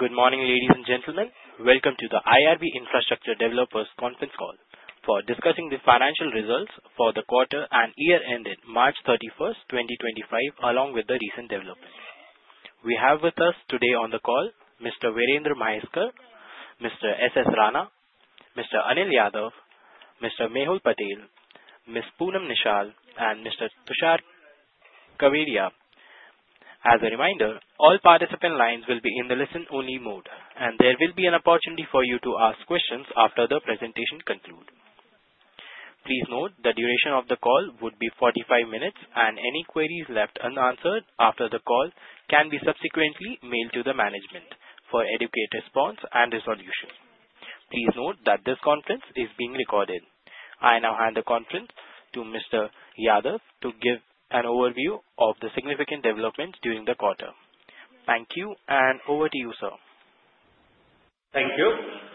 Good morning, ladies and gentlemen. Welcome to the IRB Infrastructure Developers conference call for discussing the financial results for the quarter and year-end date March 31st, 2025, along with the recent developments. We have with us today on the call Mr. Virendra Mhaiskar, Mr. S.S. Rana, Mr. Anil Yadav, Mr. Mehul Patel, Ms. Poonam Nishal, and Mr. Tushar Kawedia. As a reminder, all participant lines will be in the listen-only mode, and there will be an opportunity for you to ask questions after the presentation concludes. Please note the duration of the call would be 45 minutes, and any queries left unanswered after the call can be subsequently mailed to the management for adequate response and resolution. Please note that this conference is being recorded. I now hand the conference to Mr. Yadav to give an overview of the significant developments during the quarter. Thank you, and over to you, sir. Thank you.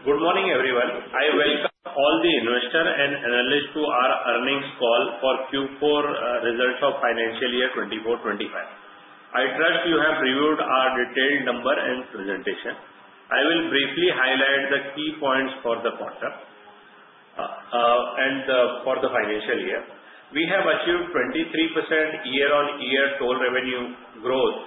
Good morning, everyone. I welcome all the investors and analysts to our earnings call for Q4 results of financial year 2024-25. I trust you have reviewed our detailed number and presentation. I will briefly highlight the key points for the quarter and for the financial year. We have achieved 23% year-on-year toll revenue growth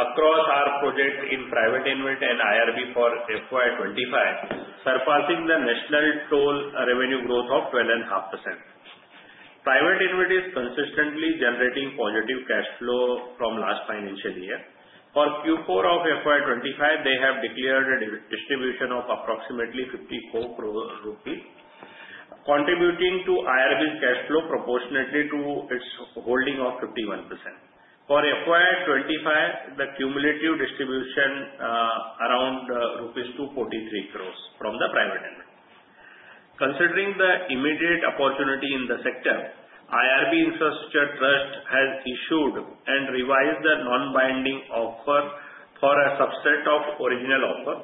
across our project in Private InvIT and IRB for FY 2025, surpassing the national toll revenue growth of 12.5%. Private InvIT is consistently generating positive cash flow from last financial year. For Q4 of FY 2025, they have declared a distribution of approximately 54 crore rupees, contributing to IRB's cash flow proportionately to its holding of 51%. For FY 2025, the cumulative distribution is around rupees 243 crore from the Private InvIT. Considering the immediate opportunity in the sector, IRB Infrastructure Trust has issued and revised the non-binding offer for a subset of original offer,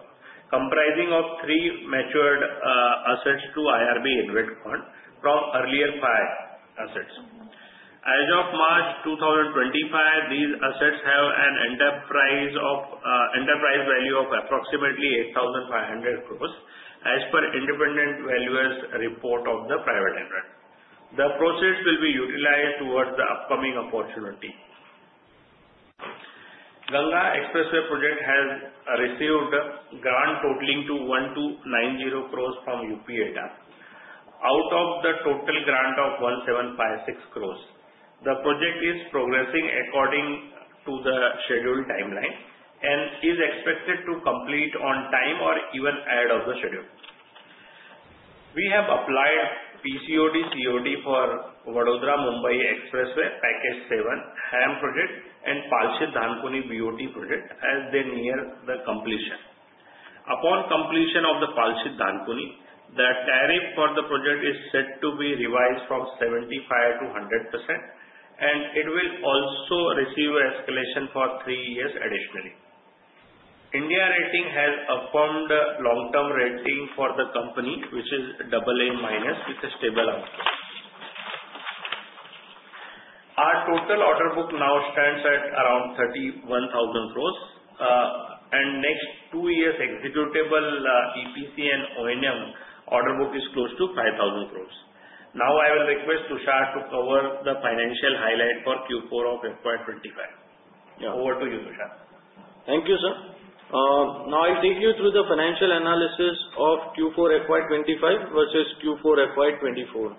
comprising of three matured assets to IRB InvIT Fund from earlier FY assets. As of March 2025, these assets have an enterprise value of approximately 8,500 crore, as per independent valuers' report of the private InvIT. The proceeds will be utilized towards the upcoming opportunity. Ganga Expressway project has received a grant totaling to 1,290 crore from UPEIDA. Out of the total grant of 1,756 crore, the project is progressing according to the scheduled timeline and is expected to complete on time or even ahead of the schedule. We have applied PCOD/COD for Vadodara-Mumbai Expressway, Package 7 HAM project, and Palsit-Dankuni BOT project as they near the completion. Upon completion of the Palsit-Dankuni, the tariff for the project is set to be revised from 75% to 100%, and it will also receive an escalation for three years additionally. India Ratings has affirmed a long-term rating for the company, which is AA- with a stable outlook. Our total order book now stands at around 31,000 crore, and next two years' executable EPC and O&M order book is close to 5,000 crore. Now, I will request Tushar to cover the financial highlight for Q4 of FY 25. Over to you, Tushar. Thank you, sir. Now, I'll take you through the financial analysis of Q4 FY 25 versus Q4 FY 24.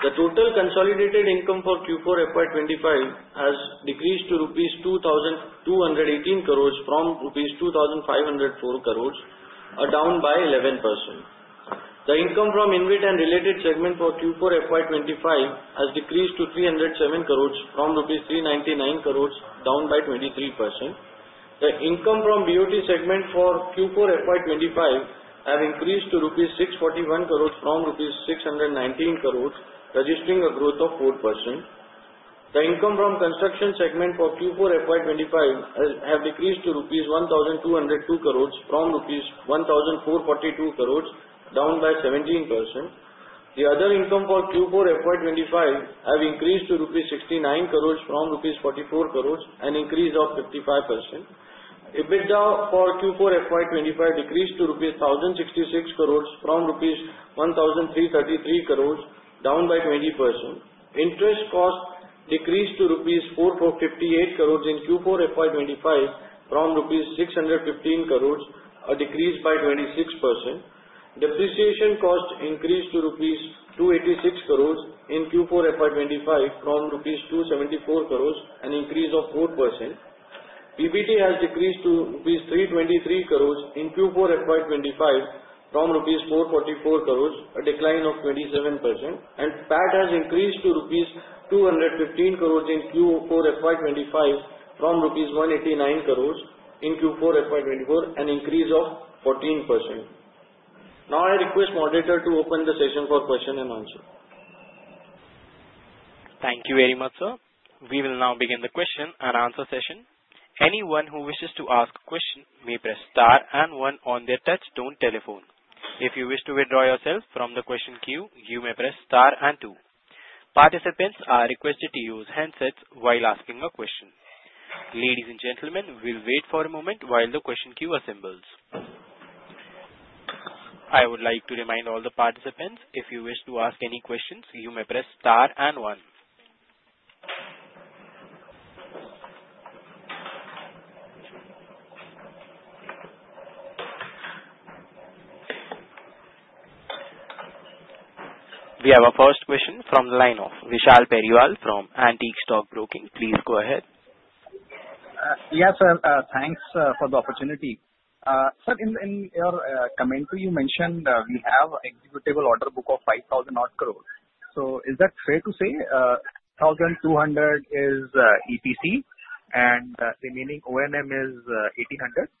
The total consolidated income for Q4 FY 25 has decreased to rupees 2,218 crore from rupees 2,504 crore, down by 11%. The income from InvIT and related segment for Q4 FY 25 has decreased to 307 crore from rupees 399 crore, down by 23%. The income from BOT segment for Q4 FY 25 has increased to rupees 641 crore from rupees 619 crore, registering a growth of 4%. The income from construction segment for Q4 FY 25 has decreased to rupees 1,202 crore from rupees 1,442 crore, down by 17%. The other income for Q4 FY 25 has increased to rupees 69 crore from rupees 44 crore, an increase of 55%. EBITDA for Q4 FY 25 decreased to INR 1,066 crore from INR 1,333 crore, down by 20%. Interest cost decreased to INR 458 crore in Q4 FY 25 from INR 615 crore, a decrease by 26%. Depreciation cost increased to INR 286 crore in Q4 FY 25 from INR 274 crore, an increase of 4%. PBT has decreased to INR 323 crore in Q4 FY 25 from INR 444 crore, a decline of 27%, and PAT has increased to INR 215 crore in Q4 FY 25 from INR 189 crore in Q4 FY 24, an increase of 14%. Now, I request the moderator to open the session for question and answer. Thank you very much, sir. We will now begin the question and answer session. Anyone who wishes to ask a question may press star and one on their touch-tone telephone. If you wish to withdraw yourself from the question queue, you may press star and two. Participants are requested to use handsets while asking a question. Ladies and gentlemen, we'll wait for a moment while the question queue assembles. I would like to remind all the participants, if you wish to ask any questions, you may press star and one. We have a first question from the line of Vishal Periwal from Antique Stock Broking. Please go ahead. Yes, sir. Thanks for the opportunity. Sir, in your commentary you mentioned we have an executable order book of 5,000 crore. So is that fair to say 1,200 is EPC and remaining O&M is 1,800?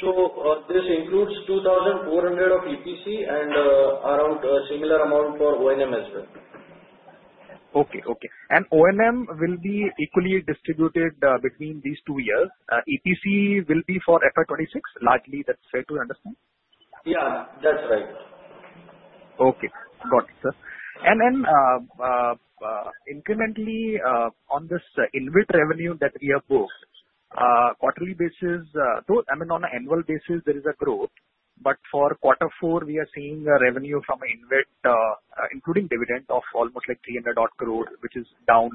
So this includes 2,400 of EPC and around a similar amount for O&M as well. Okay, okay. And O&M will be equally distributed between these two years. EPC will be for FY 26, largely. That's fair to understand? Yeah, that's right. Okay. Got it, sir. And then incrementally on this InvIT revenue that we have booked, quarterly basis, though, I mean, on an annual basis, there is a growth, but for Q4, we are seeing a revenue from InvIT, including dividend, of almost like 300 crore, which is down.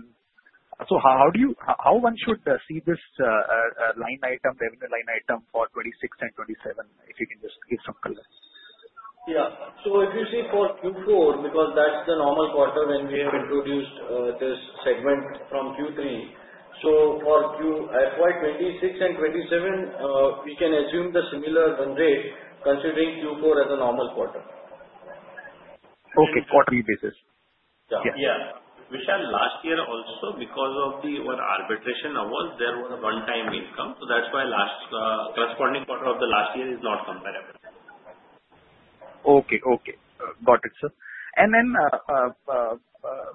So how one should see this line item, revenue line item for 26 and 27, if you can just give some colors? Yeah. So if you see for Q4, because that's the normal quarter when we have introduced this segment from Q3, so for FY 26 and 27, we can assume the similar rate, considering Q4 as a normal quarter. Okay. Quarterly basis. Yeah. Vishal, last year also, because of the arbitration awards, there was a one-time income, so that's why corresponding quarter of the last year is not comparable. Okay, okay. Got it, sir. And then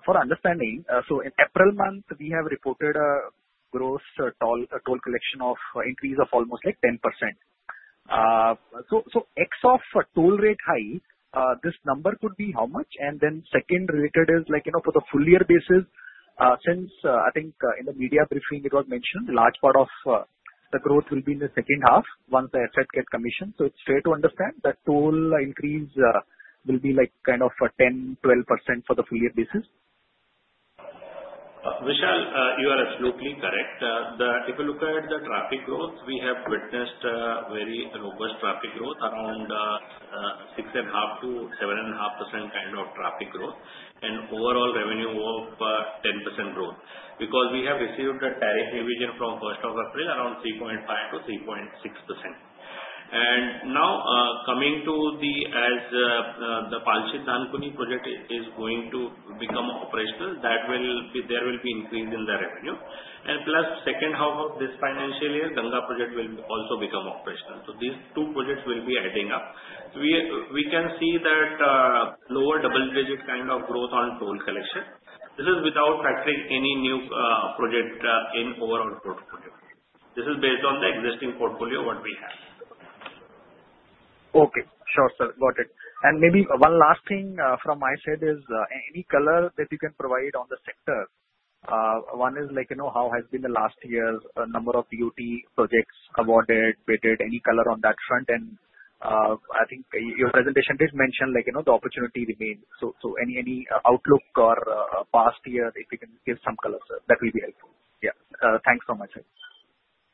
for understanding, so in April month, we have reported a gross toll collection increase of almost like 10%. So X of toll rate hike, this number could be how much? And then second related is for the full year basis, since I think in the media briefing it was mentioned, a large part of the growth will be in the second half once the asset gets commissioned. So it's fair to understand that toll increase will be kind of 10%-12% for the full year basis? Vishal, you are absolutely correct. If you look at the traffic growth, we have witnessed very robust traffic growth, around 6.5%-7.5% kind of traffic growth, and overall revenue of 10% growth. Because we have received a tariff revision from 1st of April, around 3.5%-3.6%. Now coming to the Palsit-Dankuni project, it is going to become operational, there will be increase in the revenue. Plus second half of this financial year, Ganga project will also become operational. So these two projects will be adding up. So we can see that lower double-digit kind of growth on toll collection. This is without factoring any new project in overall portfolio. This is based on the existing portfolio what we have. Okay. Sure, sir. Got it. And maybe one last thing from my side is any color that you can provide on the sector. One is how has been the last year's number of TOT projects awarded, vetted, any color on that front? And I think your presentation did mention the opportunity remains. So any outlook or past year, if you can give some colors, that will be helpful. Yeah. Thanks so much.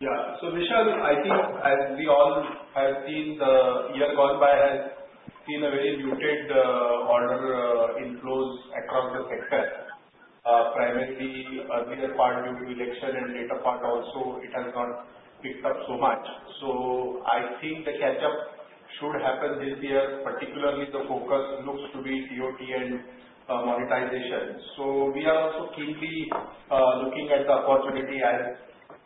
Yeah. So Vishal, I think as we all have seen the year gone by has seen a very muted order inflows across the sector. Primarily earlier part due to election and later part also, it has not picked up so much. So I think the catch-up should happen this year. Particularly, the focus looks to be TOT and monetization. So we are also keenly looking at the opportunity as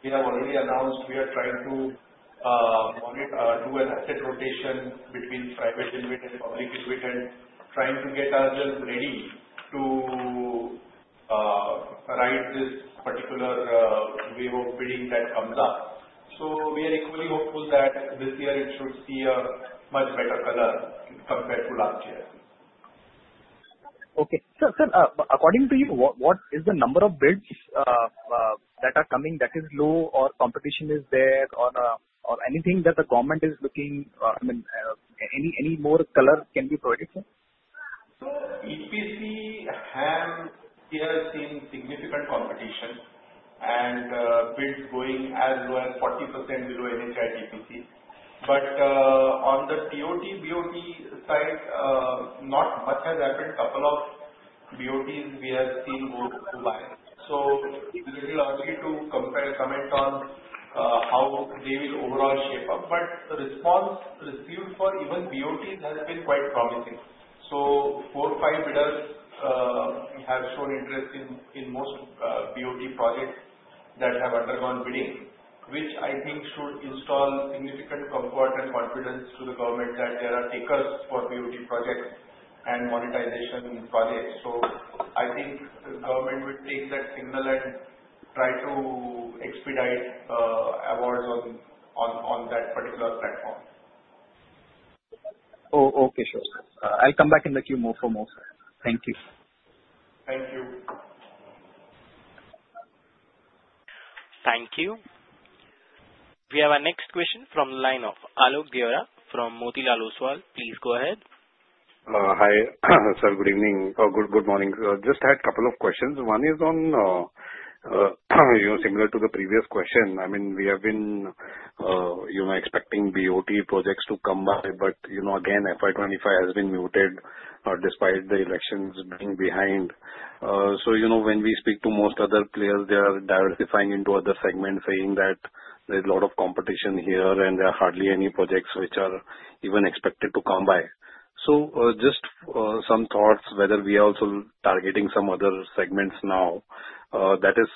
we have already announced we are trying to do an asset rotation between private InvIT and public InvIT and trying to get ourselves ready to ride this particular wave of bidding that comes up. So we are equally hopeful that this year it should see a much better color compared to last year. Okay. Sir, according to you, what is the number of bids that are coming that is low or competition is there or anything that the government is looking? I mean, any more color can be provided here? EPC has seen significant competition and bids going as low as 40% below NHAI TPC. But on the TOT/BOT side, not much has happened. A couple of BOTs we have seen go by. It will be too early to comment on how they will overall shape up. But the response received for even BOTs has been quite promising. Four or five bidders have shown interest in most BOT projects that have undergone bidding, which I think should instill significant comfort and confidence to the government that there are takers for BOT projects and monetization projects. The government will take that signal and try to expedite awards on that particular platform. Oh, okay, sure. I'll come back in the queue more for more. Thank you. Thank you. Thank you. We have a next question from the line of Alok Deora from Motilal Oswal. Please go ahead. Hi, sir. Good evening or good morning. Just had a couple of questions. One is similar to the previous question. I mean, we have been expecting BOT projects to come by, but again, FY 25 has been muted despite the elections being behind. So when we speak to most other players, they are diversifying into other segments, saying that there's a lot of competition here and there are hardly any projects which are even expected to come by. So just some thoughts, whether we are also targeting some other segments now. That is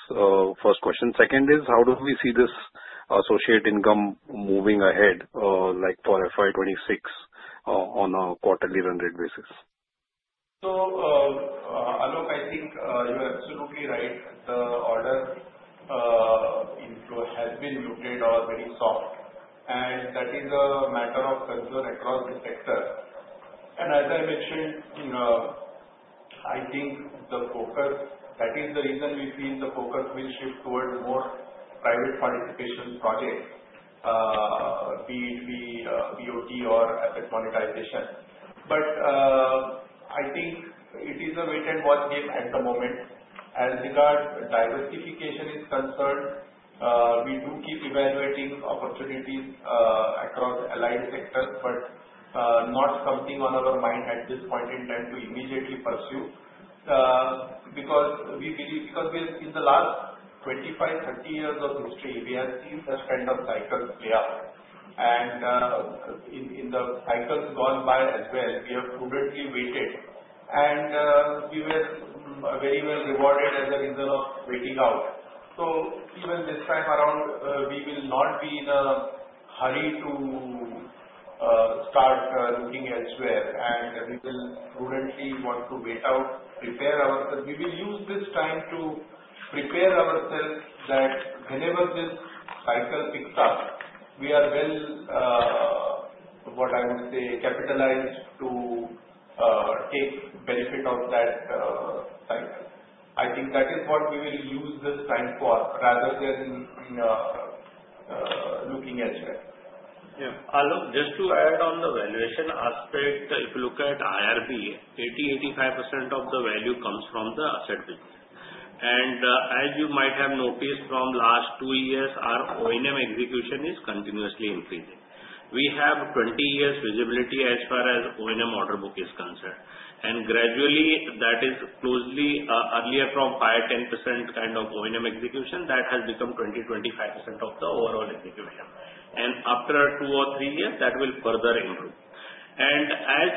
first question. Second is, how do we see this associate income moving ahead for FY 26 on a quarterly run rate basis? So Alok, I think you're absolutely right. The order inflow has been muted or very soft, and that is a matter of concern across the sector. And as I mentioned, I think the focus, that is the reason we feel the focus will shift towards more private participation projects, be it BOT or asset monetization. But I think it is a wait-and-watch game at the moment. As regards diversification is concerned, we do keep evaluating opportunities across allied sectors, but not something on our mind at this point in time to immediately pursue. Because we believe in the last 25, 30 years of history, we have seen such kind of cycles play out. And in the cycles gone by as well, we have prudently waited, and we were very well rewarded as a result of waiting out. So even this time around, we will not be in a hurry to start looking elsewhere, and we will prudently want to wait out, prepare ourselves. We will use this time to prepare ourselves that whenever this cycle picks up, we are well, what I would say, capitalized to take benefit of that cycle. I think that is what we will use this time for rather than looking elsewhere. Yeah. Alok, just to add on the valuation aspect, if you look at IRB, 80%-85% of the value comes from the asset business. And as you might have noticed from last two years, our O&M execution is continuously increasing. We have 20 years visibility as far as O&M order book is concerned. And gradually, that is closely earlier from 5%-10% kind of O&M execution, that has become 20%-25% of the overall execution. And after two or three years, that will further improve. And as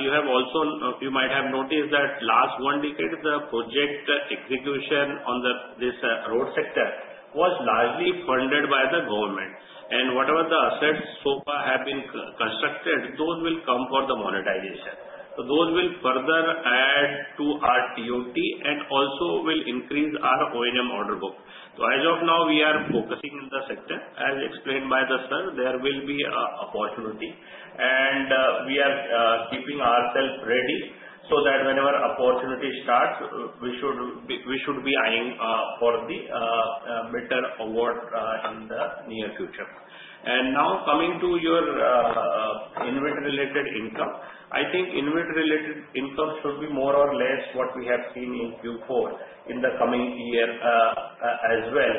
you have also, you might have noticed that last one decade, the project execution on this road sector was largely funded by the government. And whatever the assets so far have been constructed, those will come for the monetization. So those will further add to our TOT and also will increase our O&M order book. So as of now, we are focusing in the sector. As explained by the sir, there will be an opportunity, and we are keeping ourselves ready so that whenever opportunity starts, we should be eyeing for the better award in the near future. And now coming to your InvIT-related income, I think InvIT-related income should be more or less what we have seen in Q4 in the coming year as well.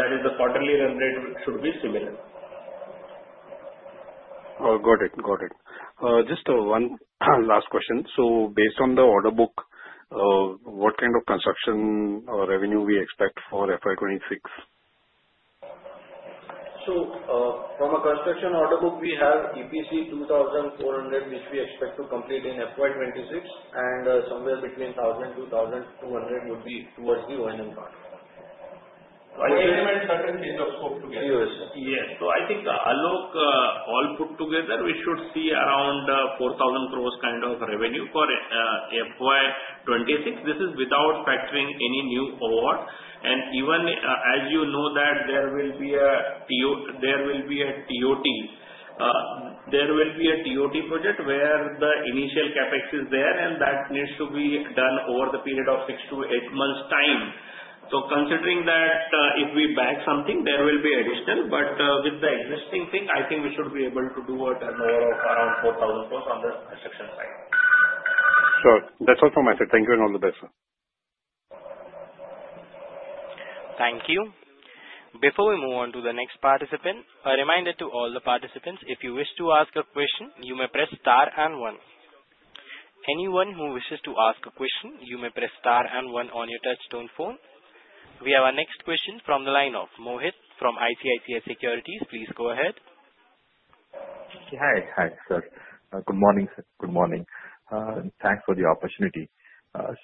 That is, the quarterly run rate should be similar. Got it. Got it. Just one last question. So based on the order book, what kind of construction revenue we expect for FY 26? From a construction order book, we have EPC 2,400, which we expect to complete in FY 26, and somewhere between 1,000 to 1,200 would be towards the O&M part. O&M and change of scope together. Yes. Yes. So I think, Alok, all put together, we should see around 4,000 crores kind of revenue for FY 2026. This is without factoring any new award. And even as you know that there will be a TOT, there will be a TOT project where the initial CapEx is there, and that needs to be done over the period of six to eight months' time. So considering that, if we bag something, there will be additional. But with the existing thing, I think we should be able to do a turnover of around INR 4,000 crores on the construction side. Sure. That's all from my side. Thank you and all the best, sir. Thank you. Before we move on to the next participant, a reminder to all the participants, if you wish to ask a question, you may press star and one. Anyone who wishes to ask a question, you may press star and one on your touch-tone phone. We have our next question from the line of Mohit from ICICI Securities. Please go ahead. Hi. Hi, sir. Good morning, sir. Good morning. Thanks for the opportunity.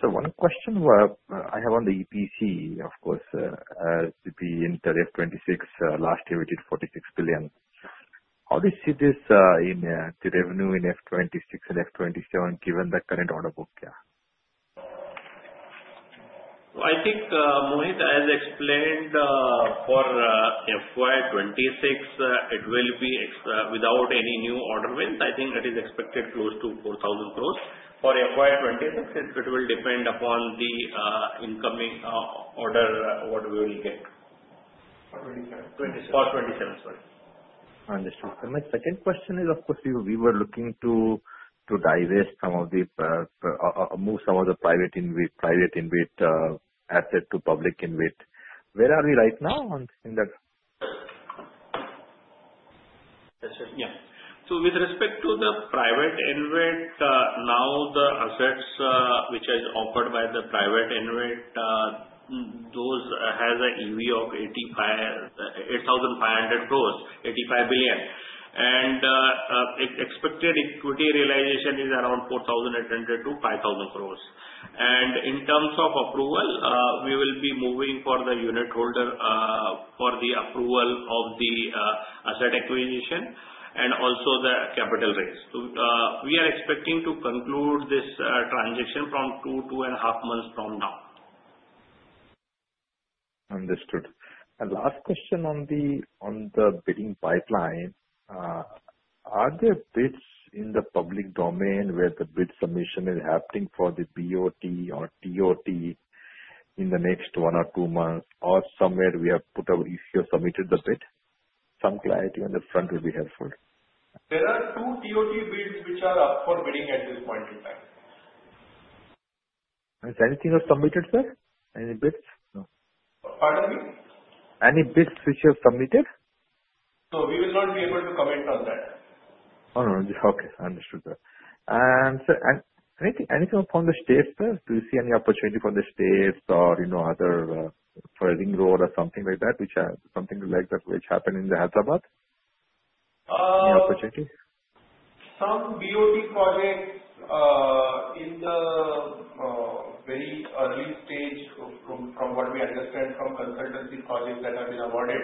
So one question I have on the EPC. Of course, as there's interest in FY26, last year we did 46 billion. How do you see this in the revenue in FY26 and FY27 given the current order book? I think Mohit has explained for FY 2026, it will be without any new order wins. I think it is expected close to 4,000 crores. For FY 2026, it will depend upon the incoming order what we will get. For 27. For 27, sorry. Understood. And my second question is, of course, we were looking to divest some of the private InvIT asset to public InvIT. Where are we right now in that? Yes. So with respect to the private InvIT, now the assets which are offered by the private InvIT, those have an EV of 8,500 crores, 85 billion. And expected equity realization is around 4,800-5,000 crores. And in terms of approval, we will be moving for the unitholder for the approval of the asset acquisition and also the capital raise. So we are expecting to conclude this transaction from two, two and a half months from now. Understood. Last question on the bidding pipeline, are there bids in the public domain where the bid submission is happening for the BOT or TOT in the next one or two months or somewhere we have put a bid if you have submitted the bid? Some clarity on that front would be helpful. There are two TOT bids which are up for bidding at this point in time. Has anything else submitted, sir? Any bids? No? Pardon me? Any bids which you have submitted? So we will not be able to comment on that. Oh, no. Okay. Understood, sir. And anything from the States, sir? Do you see any opportunity for the States or other for Ring Road or something like that, which are something like that which happened in Hyderabad? Any opportunity? Some BOT projects in the very early stage from what we understand from consultancy projects that have been awarded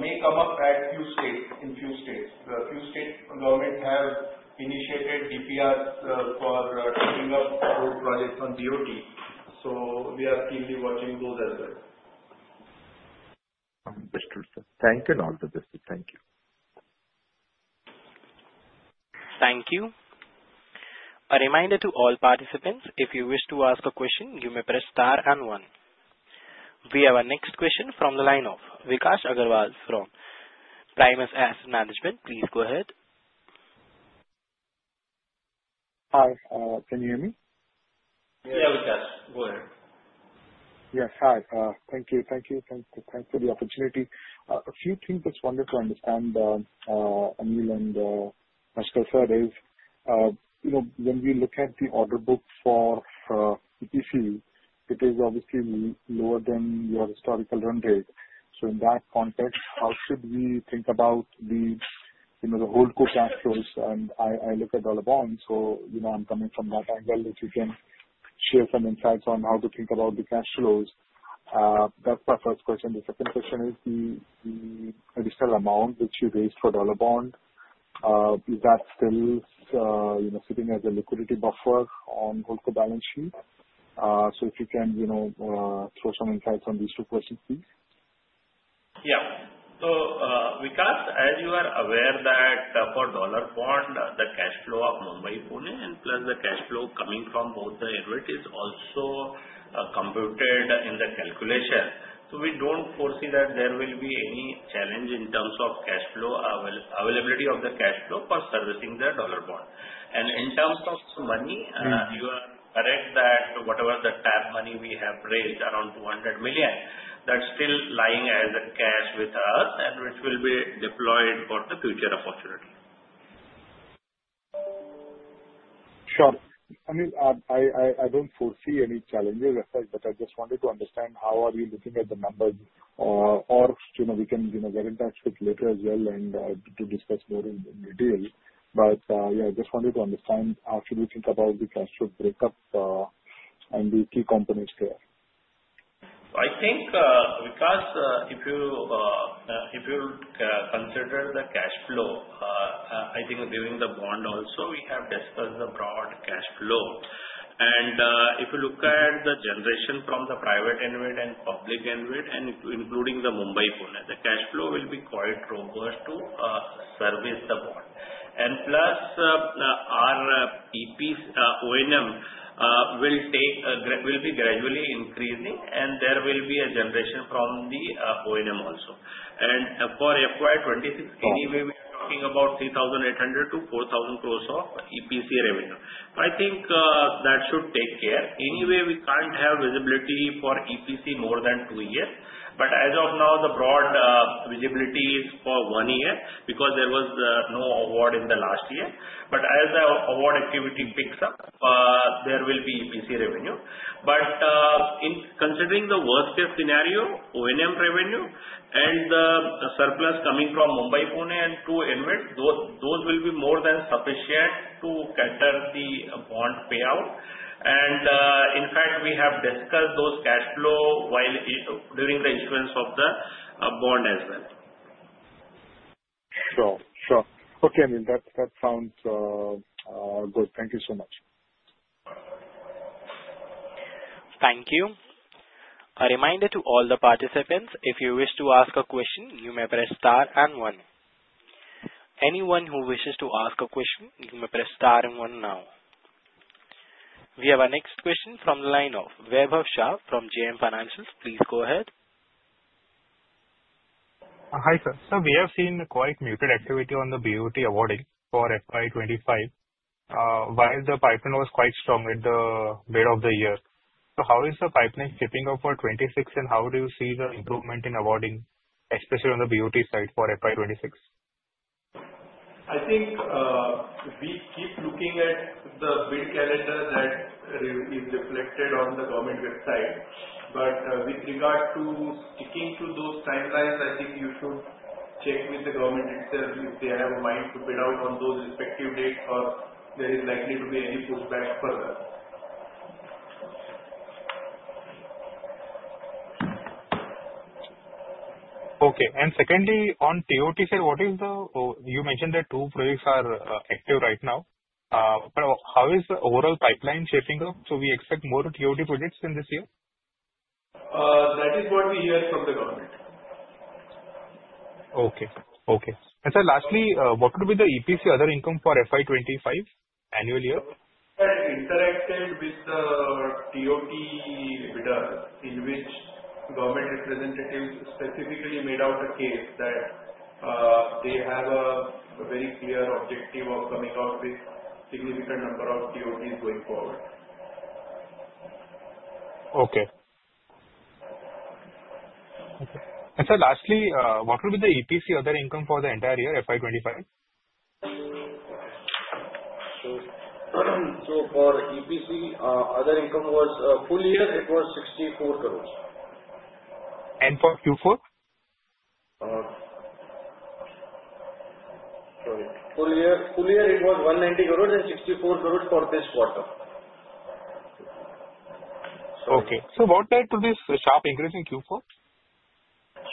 may come up in a few states. A few state governments have initiated DPRs for taking up road projects on BOT. So we are keenly watching those as well. Understood, sir. Thank you and all the best. Thank you. Thank you. A reminder to all participants, if you wish to ask a question, you may press star and one. We have our next question from the line of Vikas Agrawal from Primus Asset Management. Please go ahead. Hi. Can you hear me? Yeah, Vikas. Go ahead. Yes. Hi. Thank you. Thank you. Thanks for the opportunity. A few things that's wonderful to understand, Anil and Mhaiskar sir, is when we look at the order book for EPC, it is obviously lower than your historical run rate. So in that context, how should we think about the Holdco cash flows? And I look at dollar bonds, so I'm coming from that angle that you can share some insights on how to think about the cash flows. That's my first question. The second question is the additional amount which you raised for dollar bond, is that still sitting as a liquidity buffer on Holdco balance sheet? So if you can throw some insights on these two questions, please. Yeah. So Vikas, as you are aware that for dollar bond, the cash flow of Mumbai-Pune and plus the cash flow coming from both the InvIT is also computed in the calculation. So we don't foresee that there will be any challenge in terms of availability of the cash flow for servicing the dollar bond. And in terms of money, you are correct that whatever the Tap money we have raised, around $200 million, that's still lying as cash with us and which will be deployed for the future opportunity. Sure. I mean, I don't foresee any challenges, but I just wanted to understand how are you looking at the numbers, or we can get in touch with later as well and to discuss more in detail. But yeah, I just wanted to understand how should we think about the cash flow breakup and the key components there. I think, Vikas, if you consider the cash flow, I think during the bond also, we have discussed the broad cash flow. And if you look at the generation from the private InvIT and public InvIT, and including the Mumbai-Pune, the cash flow will be quite robust to service the bond. And plus our O&M will be gradually increasing, and there will be a generation from the O&M also. And for FY 2026, anyway, we are talking about 3,800-4,000 crores of EPC revenue. I think that should take care. Anyway, we can't have visibility for EPC more than two years. But as of now, the broad visibility is for one year because there was no award in the last year. But as the award activity picks up, there will be EPC revenue. But considering the worst-case scenario, O&M revenue and the surplus coming from Mumbai-Pune and two InvIT, those will be more than sufficient to cater the bond payout. And in fact, we have discussed those cash flow during the issuance of the bond as well. Sure. Sure. Okay. I mean, that sounds good. Thank you so much. Thank you. A reminder to all the participants, if you wish to ask a question, you may press star and one. Anyone who wishes to ask a question, you may press star and one now. We have our next question from the line of Vaibhav Shah from JM Financial. Please go ahead. Hi, sir. So we have seen quite muted activity on the BOT awarding for FY 25, while the pipeline was quite strong at the middle of the year. So how is the pipeline shaping up for 26, and how do you see the improvement in awarding, especially on the BOT side for FY 26? I think we keep looking at the bid calendar that is reflected on the government website, but with regard to sticking to those timelines, I think you should check with the government itself if they have a mind to bid out on those respective dates or there is likely to be any pushback further. Okay. And secondly, on TOT, sir, what is it you mentioned that two projects are active right now? But how is the overall pipeline shaping up? So we expect more TOT projects in this year? That is what we hear from the government. And, sir, lastly, what would be the EPC other income for FY 25 annual year? That is interaction with the TOT bidder in which government representatives specifically made out a case that they have a very clear objective of coming out with a significant number of TOTs going forward. And sir lastly, what would be the EPC other income for the entire year FY 25? For EPC, other income was full year. It was 64 crores. For Q4? Sorry. Full year, it was 190 crores and 64 crores for this quarter. Okay. So what led to this sharp increase in Q4?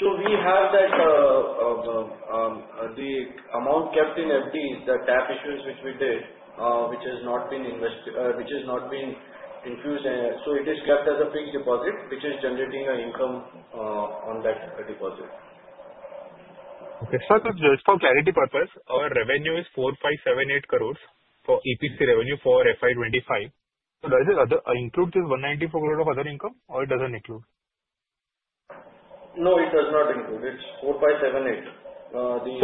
We have that the amount kept in FD, the Tap issues which we did, which has not been infused. It is kept as a fixed deposit, which is generating an income on that deposit. Okay. So for clarity purpose, our revenue is 4,578 crores for EPC revenue for FY 25. So does it include this 194 crores of other income or it doesn't include? No, it does not include. It's 4,578.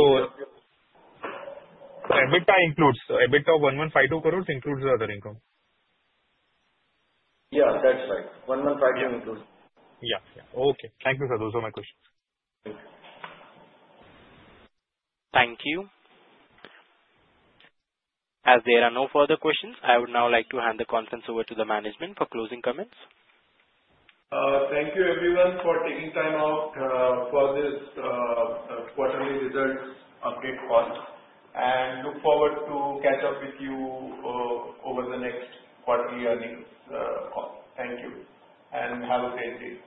EBITDA of 1,152 crores includes the other income. Yeah, that's right. 1152 includes. Yeah. Yeah. Okay. Thank you, sir. Those are my questions. Thank you. Thank you. As there are no further questions, I would now like to hand the conference over to the management for closing comments. Thank you everyone for taking time out for this quarterly results update call. And look forward to catch up with you over the next quarterly earnings call. Thank you. And have a great day.